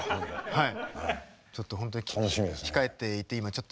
はい。